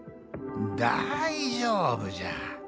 「大丈夫じゃ！